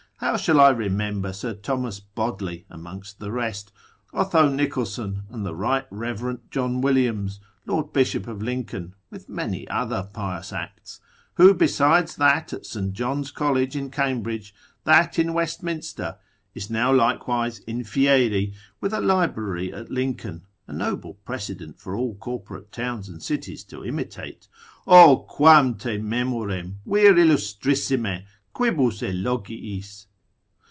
How shall I remember Sir Thomas Bodley, amongst the rest, Otho Nicholson, and the Right Reverend John Williams, Lord Bishop of Lincoln (with many other pious acts), who besides that at St. John's College in Cambridge, that in Westminster, is now likewise in Fieri with a library at Lincoln (a noble precedent for all corporate towns and cities to imitate), O quam te memorem (vir illustrissime) quibus elogiis?